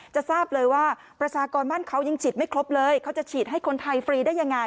จะทราบเลยว่าประชากรบ้านเขายังฉีดไม่ครบเลยเขาจะฉีดให้คนไทยฟรีได้ยังไง